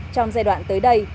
trong giai đoạn tới đây